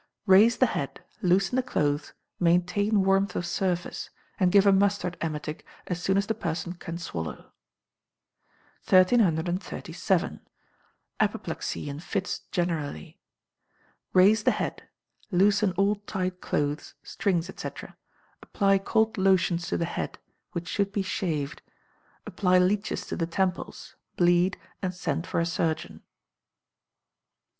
Raise the head, loosen the clothes, maintain warmth of surface, and give a mustard emetic as soon as the person can swallow. 1337. Apoplexy and Fits Generally. Raise the head; loosen all tight clothes, strings, &c. apply cold lotions to the head, which should be shaved; apply leeches to the temples, bleed, and send for a surgeon.